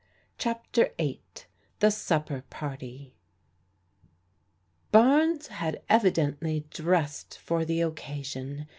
CHAPTER VIII THE SUPPER PARTY BARNES had evidently dressed for the occasion.